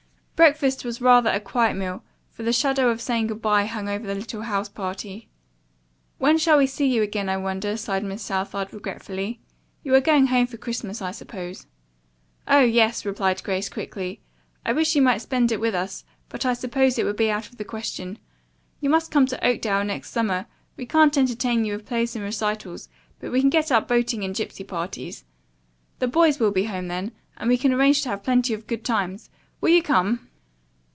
Breakfast was rather a quiet meal, for the shadow of saying good bye hung over the little house party. "When shall we see you again, I wonder?" sighed Miss Southard regretfully. "You are going home for Christmas, I suppose." "Oh, yes," replied Grace quickly. "I wish you might spend it with us, but I suppose it would be out of the question. You must come to Oakdale next summer. We can't entertain you with plays and recitals, but we can get up boating and gypsy parties. The boys will be home, then, and we can arrange to have plenty of good times. Will you come?"